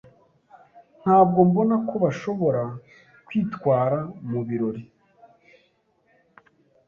Ntabwo mbona ko bashobora kwitwara mubirori.